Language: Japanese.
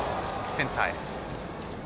センターへ。